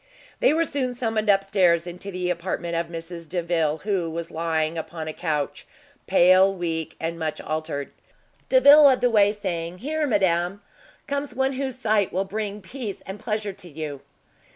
They were soon summoned upstairs into the apartment of Mrs Delvile, who was lying upon a couch, pale, weak, and much altered. Delvile led the way, saying, "Here, madam, comes one whose sight will bring peace and pleasure to you!"